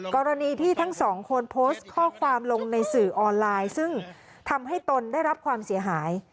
กรณีที่ทั้งสองคนโพสต์ข้อความลงในสื่อออนไลน์ซึ่งทำให้ตนได้รับความเสียหาย